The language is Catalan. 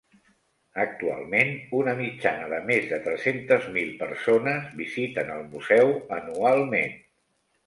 Actualment, una mitjana de més de tres-centes mil persones visiten el museu anualment.